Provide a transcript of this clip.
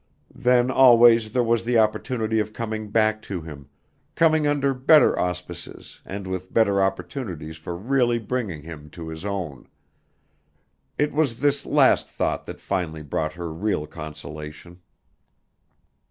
Then always there was the opportunity of coming back to him, coming under better auspices and with better opportunities for really bringing him to his own. It was this last thought that finally brought her real consolation.